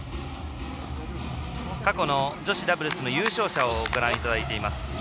過去の女子ダブルスの優勝者をご覧いただいています。